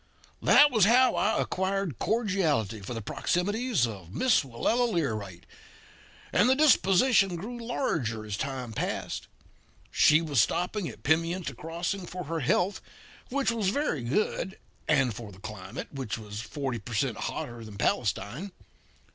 "That was how I acquired cordiality for the proximities of Miss Willella Learight; and the disposition grew larger as time passed. She was stopping at Pimienta Crossing for her health, which was very good, and for the climate, which was forty per cent. hotter than Palestine.